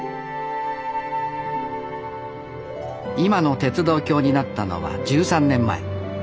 今の鉄道橋になったのは１３年前。